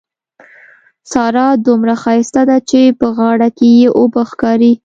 سارا دومره ښايسته ده چې په غاړه کې يې اوبه ښکاري.